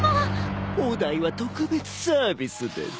お代は特別サービスです。